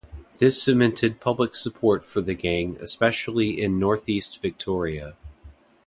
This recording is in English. This cemented public support for the gang especially in northeast Victoria.